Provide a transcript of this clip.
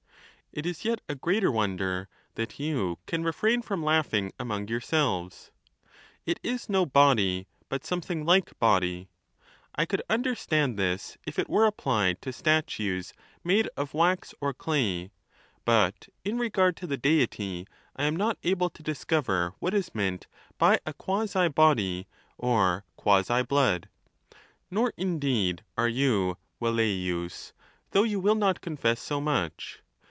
It is yet a greater wonder that you can refrain from laughing among yourselves. It is no body, but something like body ! I could understand this if it were applied to statues made of wax or clay ; but in regard to the Deity, I am not able to discover what is meant by a quasi body or quasi blood. Nor indeed are you, Velleius, though you will not confess so much.